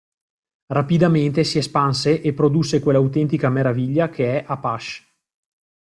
Rapidamente si espanse e produsse quell'autentica meraviglia che è Apache.